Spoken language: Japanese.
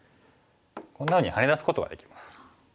こんなふうにハネ出すことができます。